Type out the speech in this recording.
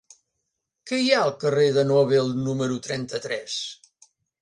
Què hi ha al carrer de Nobel número trenta-tres?